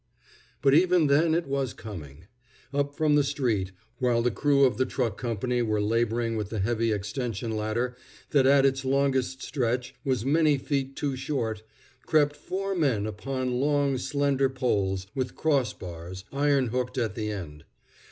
But even then it was coming. Up from the street, while the crew of the truck company were laboring with the heavy extension ladder that at its longest stretch was many feet too short, crept four men upon long, slender poles with cross bars, iron hooked at the end.